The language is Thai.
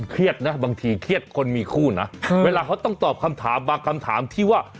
เครียดนะบางทีเครียดคนมีคู่นะเวลาเขาต้องตอบคำถามบางคำถามที่ว่า